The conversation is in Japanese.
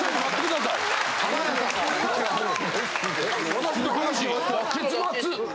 私の話結末。